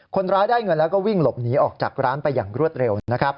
คนร้ายได้เงินแล้วก็วิ่งหลบหนีออกจากร้านไปอย่างรวดเร็ว